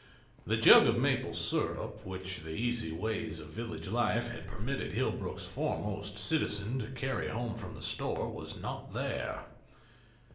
The jug of maple sirup which the easy ways of village life had permitted Hillbrook's foremost citizen to carry home from the store was not there.